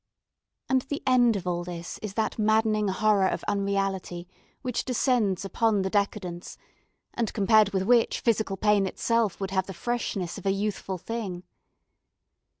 And the end of all this is that maddening horror of unreality which descends upon the decadents, and compared with which physical pain itself would have the freshness of a youthful thing.